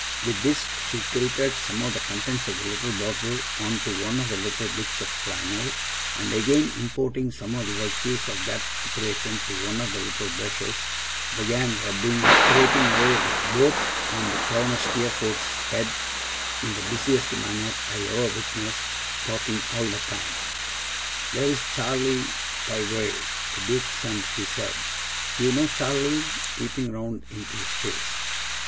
With this, she tilted some of the contents of the little bottle on to one of the little bits of flannel, and, again imparting some of the virtues of that preparation to one of the little brushes, began rubbing and scraping away with both on the crown of Steerforth's head in the busiest manner I ever witnessed, talking all the time. 'There's Charley Pyegrave, the duke's son,' she said. 'You know Charley?' peeping round into his face.